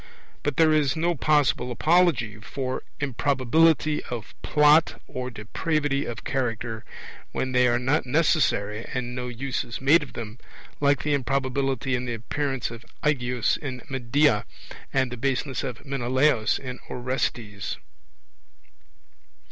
But there is no possible apology for improbability of Plot or depravity of character, when they are not necessary and no use is made of them, like the improbability in the appearance of Aegeus in Medea and the baseness of Menelaus in Orestes.